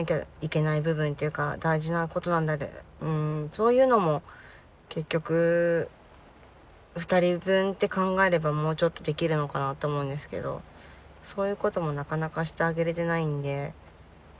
そういうのも結局２人分って考えればもうちょっとできるのかなって思うんですけどそういうこともなかなかしてあげれてないんで。